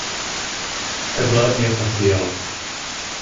Eble mi estas tiel.